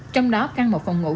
trong đó căn một phòng ngủ